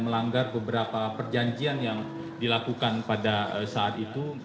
melanggar beberapa perjanjian yang dilakukan pada saat itu